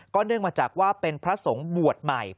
เนื่องมาจากว่าเป็นพระสงฆ์บวชใหม่